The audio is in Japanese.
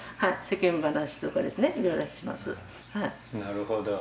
なるほど。